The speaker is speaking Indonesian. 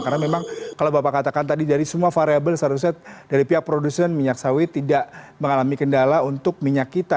karena memang kalau bapak katakan tadi dari semua variable seharusnya dari pihak produsen minyak sawit tidak mengalami kendala untuk minyak kita